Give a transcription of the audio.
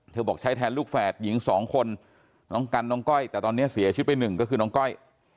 บอกใช้แทนลูกแฝดหญิงสองคนน้องกันน้องก้อยแต่ตอนนี้เสียชีวิตไปหนึ่งก็คือน้องก้อย